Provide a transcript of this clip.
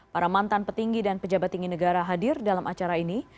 para mantan petinggi dan pejabat tinggi negara hadir dalam acara ini